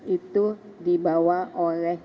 itu dibawa oleh